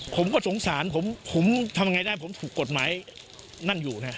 ผมก็สงสารผมผมทำยังไงได้ผมถูกกฎหมายนั่งอยู่นะ